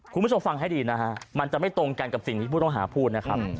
คุณผู้ชมฟังให้ดีนะฮะมันจะไม่ตรงกันกับสิ่งที่ผู้ต้องหาพูดนะครับ